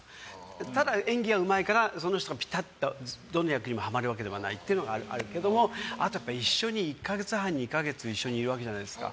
ただ演技がうまいからその人がピタッとどの役にもはまるわけではないというのがあるけれどもあとはやっぱり一緒に１か月半２か月いるわけじゃないですか。